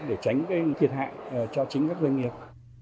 để tránh thiệt hạn cho chính các doanh nghiệp